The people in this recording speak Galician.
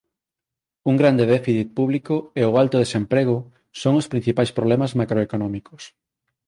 Un grande déficit público e o alto desemprego son os principais problemas macroeconómicos.